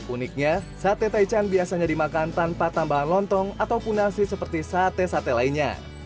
uniknya sate taichan biasanya dimakan tanpa tambahan lontong ataupun nasi seperti sate sate lainnya